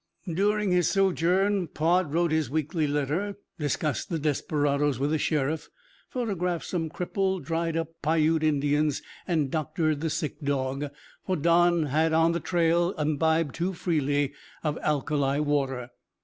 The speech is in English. During his sojourn Pod wrote his weekly letter, discussed the desperadoes with the sheriff, photographed some crippled, dried up Piute Indians, and doctored the sick dog, for Don had on the trail imbibed too freely of alkali water.